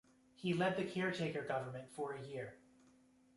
He led the caretaker government for a year.